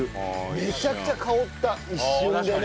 めちゃくちゃ香った一瞬でね。